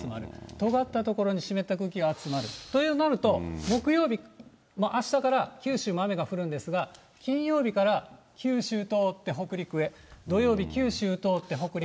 とがった所に湿った空気が集まるとなると、木曜日・あしたから九州も雨が降るんですが、金曜日から九州通って北陸へ、土曜日、九州通って北陸へ。